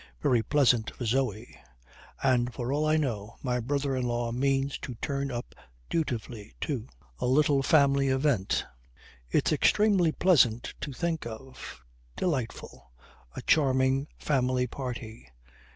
Very pleasant for Zoe. And for all I know, my brother in law means to turn up dutifully too. A little family event. It's extremely pleasant to think of. Delightful. A charming family party.